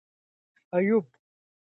ایوب خان کندهار قلابند ساتي.